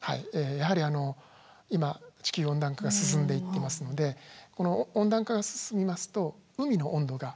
やはりあの今地球温暖化が進んでいっていますのでこの温暖化が進みますと海の温度が上昇していくわけです。